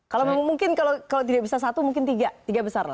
kalau mungkin kalau tidak bisa satu mungkin tiga tiga besar lah